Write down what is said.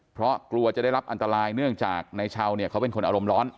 เพราะกลัวจะได้รับอันตรายเนื่องจากนายชาวเนี่ยเขาเป็นคนอารมณ์ร้อน